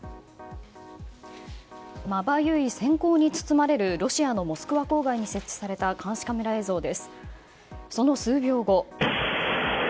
まばゆい閃光に包まれるロシアのモスクワ郊外に設置された監視カメラの映像です。